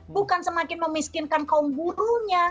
bukan semakin memiskinkan kaum burunya